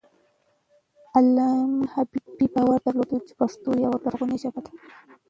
علامه حبيبي باور درلود چې پښتو یوه لرغونې ژبه ده.